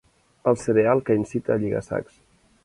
El cereal que incita a lligar sacs.